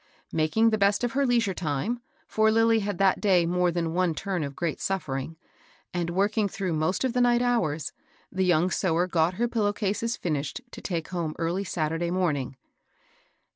Making the best of her leisure time, — for Lilly had that day more than one turn of great suffeHng, — and working through most of the night hours, the young sewer got her pillow cases finished to take home early Saturday morn ing.